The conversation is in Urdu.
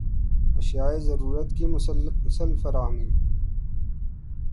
اشیائے ضرورت کی مسلسل فراہمی